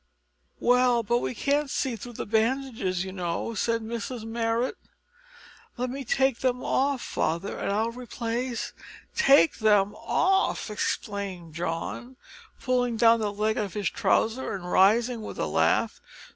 "Well, but we can't see through the bandages, you know," said Mrs Marrot. "Let me take them off, father, and I'll replace " "Take 'em off!" exclaimed John, pulling down the leg of his trouser and rising with a laugh.